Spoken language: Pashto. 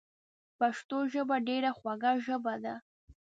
پښتو ژبه ډیره خوږه ژبه ده